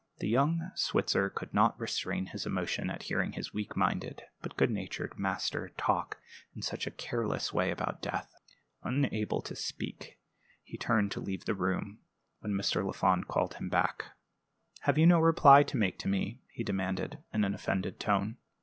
The young Switzer could not restrain his emotion at hearing his weak minded but good natured master talk in such a careless way about death. Unable to speak, he turned to leave the room, when Mr. Lafond called him back. "Have you no reply to make to me?" he demanded, in an offended tone.